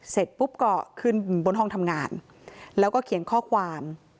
เสร็จปุ๊บก็ขึ้นบนห้องทำงานแล้วก็เขียนข้อความ